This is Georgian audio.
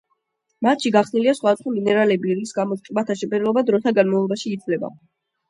მათში გახსნილია სხვადასხვა მინერალები, რის გამოც ტბათა შეფერილობა დროთა განმავლობაში იცვლება.